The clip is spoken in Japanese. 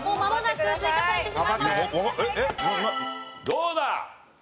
どうだ？